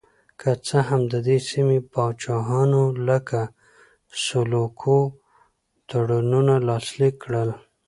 که څه هم د دې سیمې پاچاهانو لکه سلوکو تړونونه لاسلیک کړل.